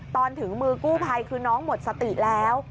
ถึงมือกู้ภัยคือน้องหมดสติแล้ว